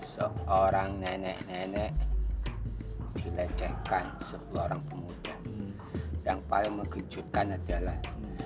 seorang nenek nenek dilecehkan sebuah orang pemuda yang paling mengejutkan adalah